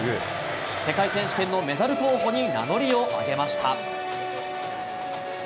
世界選手権のメダル候補に名乗りを挙げました。